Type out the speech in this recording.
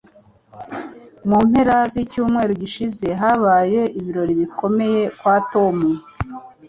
Mu mpera zicyumweru gishize habaye ibirori bikomeye kwa Tom.